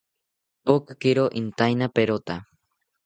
Pokakiro intaina perota